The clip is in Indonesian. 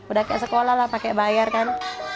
udah kayak sekolah lah pakai bayar kan